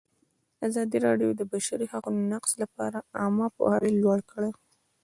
ازادي راډیو د د بشري حقونو نقض لپاره عامه پوهاوي لوړ کړی.